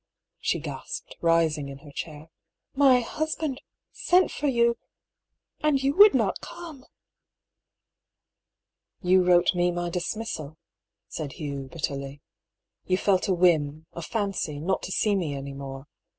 she gasped, rising in her chair. " My husband sent for you — ^and you would not come !"*' You wrote me my dismissal," said Hugh, bitterly. " You felt a whim, a fancy, not to see me any more.